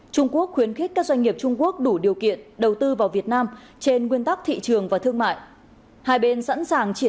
trung quốc khuyến khích các doanh nghiệp trung quốc đủ điều kiện đầu tư vào việt nam trên nguyên tắc thị trường và thương mại